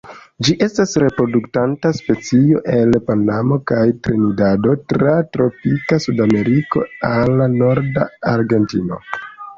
Ĝi estas reproduktanta specio el Panamo kaj Trinidado tra tropika Sudameriko al norda Argentino.